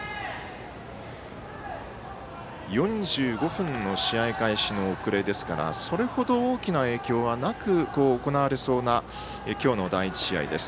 ４５分の試合開始の遅れですからそれほど、大きな影響はなく行われそうな今日の第１試合です。